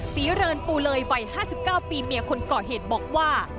ศรีเรินปูเลยวัย๕๙ปีเมียคนก่อเหตุบอกว่า